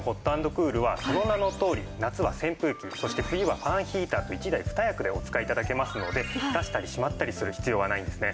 クールはその名のとおり夏は扇風機そして冬はファンヒーターと１台２役でお使い頂けますので出したりしまったりする必要がないんですね。